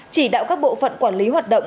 chỉ đạo các bộ phận quản lý hoạt động